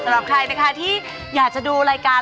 รอคุณผู้ชมก่อน